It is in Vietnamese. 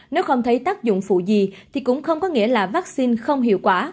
nếu không thấy tác dụng phụ gì thì cũng không có nghĩa là vaccine không hiệu quả